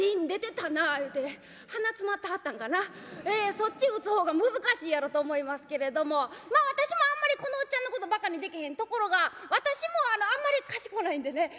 そっち打つ方が難しいやろと思いますけれどもまあ私もあんまりこのおっちゃんのことバカにできへんところが私もあまり賢ないんでね。